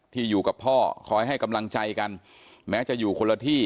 อยู่กับพ่อคอยให้กำลังใจกันแม้จะอยู่คนละที่